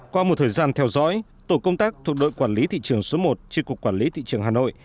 qua một thời gian theo dõi tổ công tác thuộc đội quản lý thị trường số một tri cục quản lý thị trường hà nội